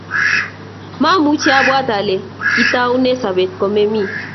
Mamuchi abwat ale kitaune sobet komemii